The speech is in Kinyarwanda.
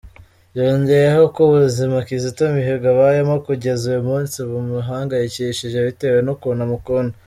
Yongeyeho ko ubuzima Kizito Mihigo abayemo kugeza uyu munsi bumuhangayikishije bitewe n’ukuntu amukunda.